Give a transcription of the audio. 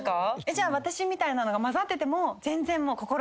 じゃあ私みたいなのが交ざってても全然快く。